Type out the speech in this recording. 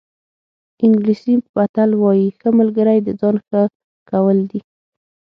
انګلیسي متل وایي ښه ملګری د ځان ښه کول دي.